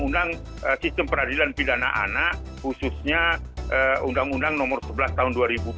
undang undang sistem peradilan pidana anak khususnya undang undang nomor sebelas tahun dua ribu dua puluh